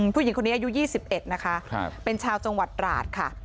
ผู้หญิงคนนี้อายุ๒๑เป็นชาวจราชค่ะ